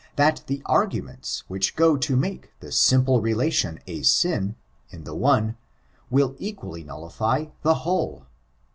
that the arguments which go to make the simple relation a sin, in the one, will equally nullify the whole.